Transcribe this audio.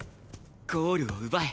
「ゴールを奪え」